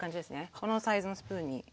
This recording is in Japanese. このサイズのスプーンに軽盛り１杯。